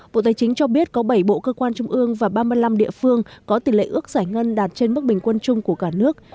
bộ tài chính cho biết có bảy bộ cơ quan trung ương và ba mươi năm địa phương có tỷ lệ ước giải ngân đạt trên mức bình quân chung của cả nước